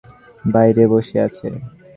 বাইরে বসে আছে।